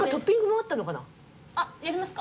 あっやりますか？